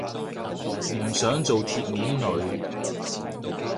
唔想做鐵鏈女